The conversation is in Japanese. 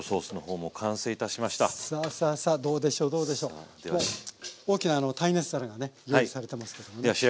もう大きな耐熱皿がね用意されてますけれどもね。